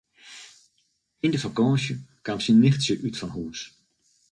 Yn de fakânsje kaam syn nichtsje útfanhûs.